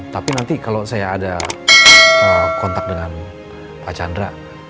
tapi nanti kalau saya ada kontak dengan pak chandra